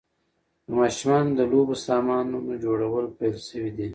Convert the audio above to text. د ماشومانو د لوبو سامانونو جوړول پیل شوي دي.